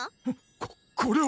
こっこれは！